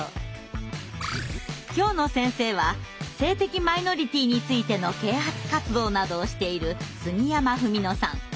今日の先生は性的マイノリティーについての啓発活動などをしている杉山文野さん。